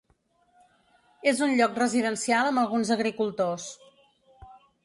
És un lloc residencial amb alguns agricultors.